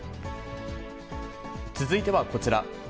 続いてはこちら。